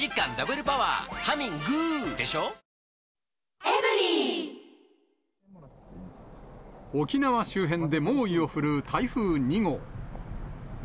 ニトリ沖縄周辺で猛威を振るう台風２号。